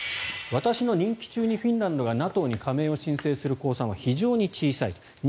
私の任期中にフィンランドがＮＡＴＯに加盟を申請する公算は非常に小さいと。